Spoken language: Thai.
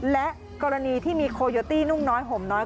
และกรณีที่มีโคโยตี้นุ่งน้อยห่มน้อย